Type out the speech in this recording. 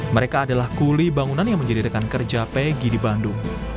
mereka adalah kuli bangunan yang menjadi rekan kerja pegi di bandung